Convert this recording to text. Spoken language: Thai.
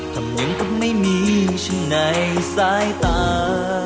ทำอย่างก็ไม่มีฉันในสายตา